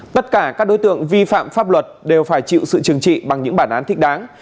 tất cả các đối tượng vi phạm pháp luật đều phải chịu sự trừng trị bằng những bản án thích đáng